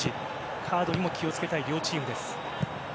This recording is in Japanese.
カードにも気を付けたい両チームです。